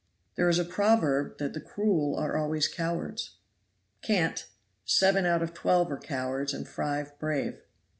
"There is a proverb that the cruel are always cowards." "Cant! seven out of twelve are cowards and five brave."